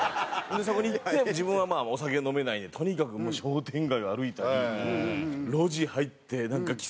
でそこに行って自分はお酒飲めないんでとにかく商店街を歩いたり路地入ってなんか喫茶店行ったり。